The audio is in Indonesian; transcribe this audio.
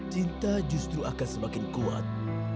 cinta justru akan semakin kuat